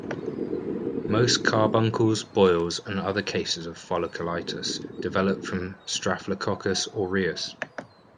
Most carbuncles, boils, and other cases of folliculitis develop from "Staphylococcus aureus".